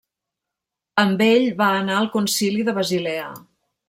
Amb ell va anar al Concili de Basilea.